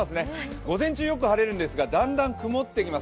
午前中、よく晴れるんですがだんだん曇ってきます。